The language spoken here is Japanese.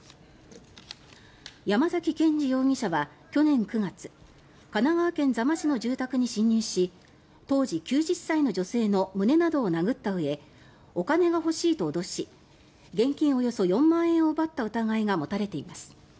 山崎謙次容疑者は去年９月神奈川県座間市の住宅に侵入し当時９０歳の女性の胸などを殴ったうえお金が欲しいと脅し現金の４万円を奪った疑いが持たれています。